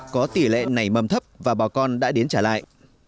có tỷ lệ nảy mầm thấp và bà con đã đến trả lại